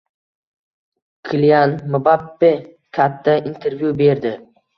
Kilian Mbappe katta intervyu berdi